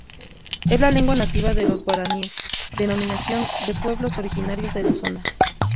Es la lengua nativa de los guaraníes, denominación de pueblos originarios de la zona.